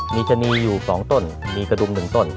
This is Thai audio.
มีชะนีอยู่๒ต้นมีกระดุม๑ต้น